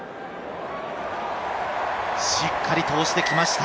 しっかり通してきました。